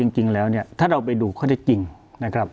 จริงแล้วเนี่ยถ้าเราไปดูข้อเท็จจริงนะครับ